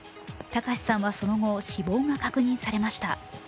隆さんはその後死亡が確認されました。